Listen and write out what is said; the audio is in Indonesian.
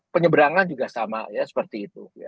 penyeberangan juga sama ya seperti itu